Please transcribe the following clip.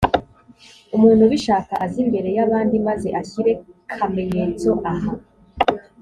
umuntu ubishaka aze imbere y’abandi, maze ashyire kamenyetso aha